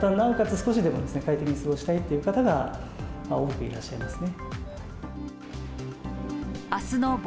少しでも快適に過ごしたいという方が多くいらっしゃいますね。